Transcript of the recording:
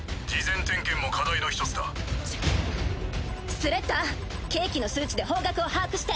スレッタ計器の数値で方角を把握して。